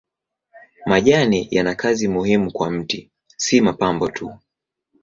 Majani yana kazi muhimu kwa mti si mapambo tu.